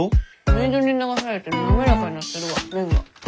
水に流されて滑らかになってるわ麺が。